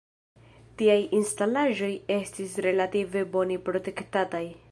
Tiaj instalaĵoj estis relative bone protektataj.